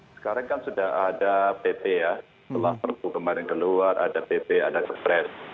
sekarang kan sudah ada pp ya setelah perpu kemarin keluar ada pp ada kepres